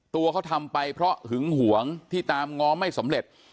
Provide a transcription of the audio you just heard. ตัวเขาทำไปเพราะหึงหวงที่ตามง้อไม่สำเร็จ